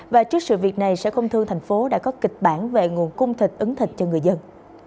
và trước sự việc này sở công thương thành phố đã có kịch bản về nguồn cung thịt ứng thịt cho người dân